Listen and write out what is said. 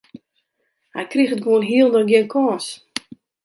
Hy kriget gewoan hielendal gjin kâns.